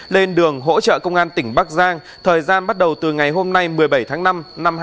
lên đường hỗ trợ công an tỉnh bắc giang thời gian bắt đầu từ ngày hôm nay một mươi bảy tháng năm năm hai nghìn hai mươi ba